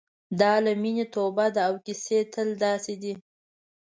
دا له مینې توبه ده او کیسې تل داسې دي.